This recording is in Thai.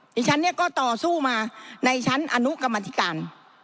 ดิฉันเนี่ยก็ต่อสู้มาในชั้นอนุกรรมธิการ